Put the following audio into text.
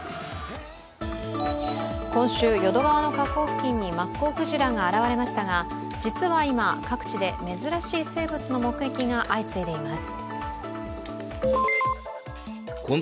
今週、淀川の河口付近にマッコウクジラが現れましたが実は今、各地で珍しい生物の目撃が相次いでいます。